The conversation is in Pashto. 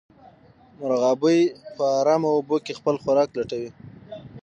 مرغابۍ په ارامو اوبو کې خپل خوراک لټوي